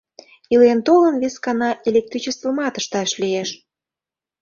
Илен-толын, вескана электричествымат ышташ лиеш.